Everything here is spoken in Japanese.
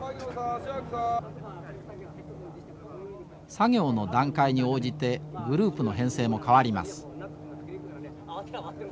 作業の段階に応じてグループの編成も変わります。